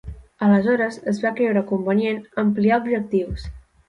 Aleshores es va creure convenient ampliar objectius.